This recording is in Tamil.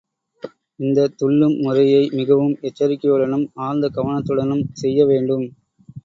இந்தத் துள்ளும் முறையை மிகவும் எச்சரிக்கையுடனும், ஆழ்ந்த கவனத்துடனும் செய்ய வேண்டும்.